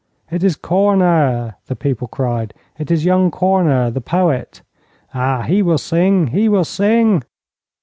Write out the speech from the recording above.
'It is Korner!' the people cried. 'It is young Korner, the poet! Ah, he will sing, he will sing.'